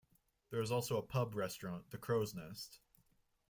There is also a pub restaurant, the Crow's Nest.